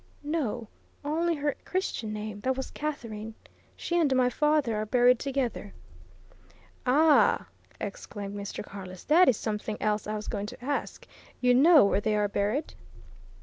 "No, only her Christian name; that was Catherine. She and my father are buried together." "Ah!" exclaimed Mr. Carless. "That is something else I was going to ask. You know where they are buried?"